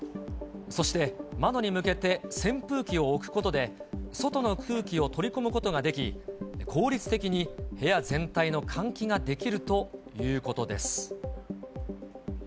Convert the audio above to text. そして、窓に向けて扇風機を置くことで、外の空気を取り込むことができ、効率的に部屋全体の換気ができるということです。